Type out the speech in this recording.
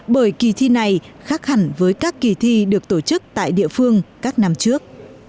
bởi kỳ thi này khác hẳn với các kỳ thi được tổ chức tại địa phương các năm trước